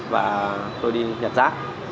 và tôi đi nhặt rác